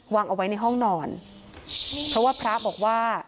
วางเอาไว้ในห้องนอนเพราะว่าพระบอกว่า